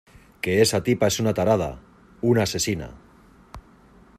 que esa tipa era una tarada, una asesina.